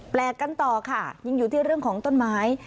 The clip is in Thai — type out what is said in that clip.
แปลกกันต่อค่ะยังอยู่ที่เรื่องของต้นไม้